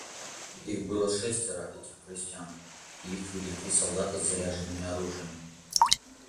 Их было шестеро, этих крестьян, и их вели три солдата с заряженными ружьями.